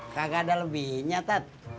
gak ada lebihnya tat